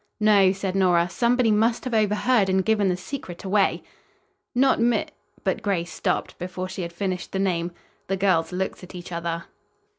"No," said Nora. "Somebody must have overheard and given the secret away." "Not Mi " but Grace stopped before she had finished the name. The girls looked at each other.